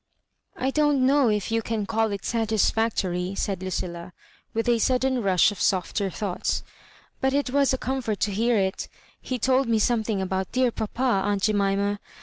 " I don't know if you can call it satisfactory, said Lucilla, with a sudden rush of softer thoughts ;*' but it was a comfort to hear it He told me something about dear papa, aunt Jemima.